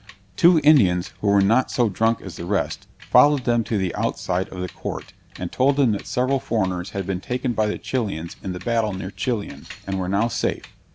Two Indians, who were not so drunk as the rest, followed them to the outside of the court, and told them that several foreigners had been taken by the Chilians in the battle near Chilian, and were now safe.